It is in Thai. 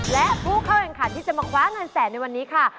และผู้เข้าแข่งขันที่จะมาคว้าเงินแสนในวันนี้ค่ะ